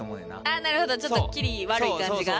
あっなるほどちょっとキリ悪い感じが。